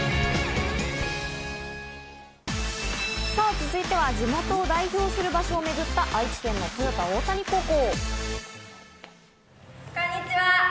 続いては地元を代表する場所をめぐった愛知県の豊田大谷高校。